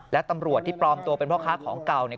และตำรวจที่ปลอมตัวเป็นพ่อค้าของเก่าเนี่ย